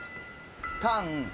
タン。